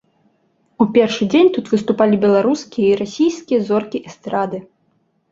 У першы дзень тут выступілі беларускія і расійскія зоркі эстрады.